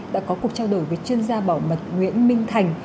đã có cuộc trao đổi với chuyên gia bảo mật nguyễn minh thành